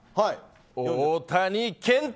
大谷健太！